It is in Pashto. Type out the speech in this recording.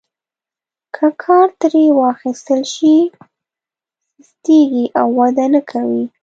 که کار ترې وانخیستل شي سستیږي او وده نه کوي.